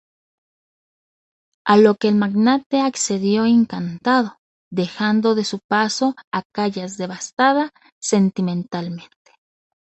A lo que el magnate accedió encantado, dejando de paso a Callas devastada sentimentalmente.